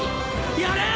やれ！